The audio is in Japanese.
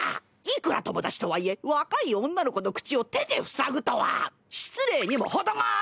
いくら友達とはいえ若い女の子の口を手で塞ぐとは失礼にも程がある！